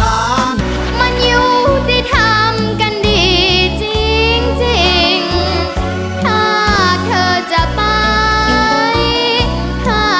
ถ้าเธอจะทิ้งขอบอกเธอด้วยใจจริงกอดฉันสักทีก่อน